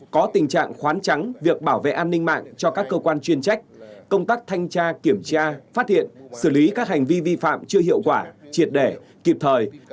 có tình trạng khoán trắng việc bảo vệ an ninh mạng cho các cơ quan chuyên trách công tác thanh tra kiểm tra phát hiện xử lý các hành vi vi phạm chưa hiệu quả triệt đẻ kịp thời